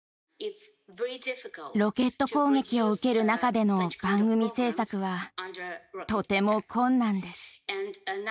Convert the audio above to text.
ロケット攻撃を受ける中での番組制作はとても困難です。